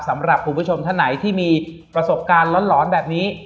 สำหรับคุณผู้ชมท่านไหนที่มีประสบการณ์หลอนแบบนี้